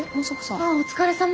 ああお疲れさま。